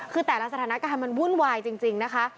คือแต่ละสถานการณ์มันวุ่นวายจริงนะคะ